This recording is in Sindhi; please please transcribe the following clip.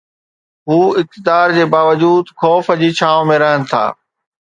هو اقتدار جي باوجود خوف جي ڇانو ۾ رهن ٿا.